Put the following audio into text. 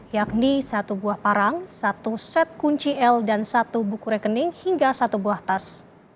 yakni satu buah parang satu set kunci l dan satu buku rekening hingga satu buah tas